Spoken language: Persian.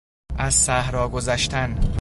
از صحرا گذشتن